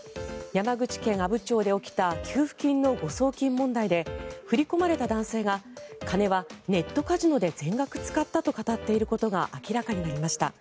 山口県阿武町で起きた給付金の誤送金問題で振り込まれた男性が金はネットカジノで全額使ったと語っていることが明らかになりました。